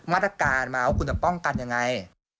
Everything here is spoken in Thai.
มาตรการมาว่าคุณจะป้องกันยังไง